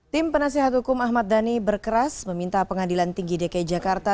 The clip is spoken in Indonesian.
tim penasehat hukum ahmad dhani berkeras meminta pengadilan tinggi dki jakarta